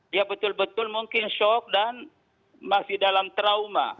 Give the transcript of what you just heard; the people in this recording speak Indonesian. dia betul betul mungkin shock dan masih dalam trauma